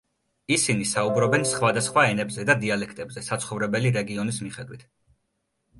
ისინი საუბრობენ სხვადასხვა ენებზე და დიალექტებზე საცხოვრებელი რეგიონის მიხდვით.